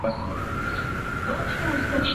Na polisi kwa kukipendelea chama tawala cha Zanu PF